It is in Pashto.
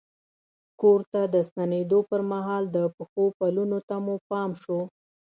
کور ته د ستنېدو پر مهال د پښو پلونو ته مو پام شو.